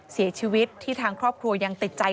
เสียชีวิตที่ทางครอบครัวยังติดใจ